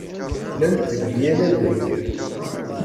Llant deg yal adeg.